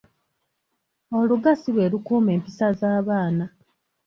Oluga si lwe lukuuma empisa z’abaana.